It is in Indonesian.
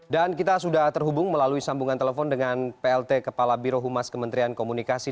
dan kita sudah terhubung melalui sambungan telepon dengan plt kepala biro humas kementerian komunikasi